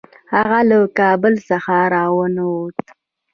هغه له کابل څخه را ونه ووت.